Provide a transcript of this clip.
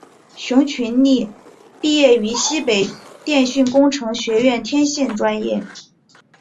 熊群力毕业于西北电讯工程学院天线专业。